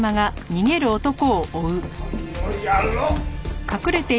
あの野郎！